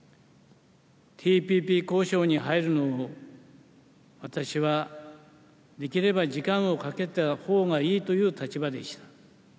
ＴＰＰ交渉に入るのを、私は、できれば時間をかけたほうがいいという立場でした。